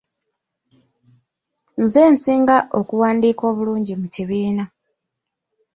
Nze nsinga okuwandiika obulungi mu kibiina.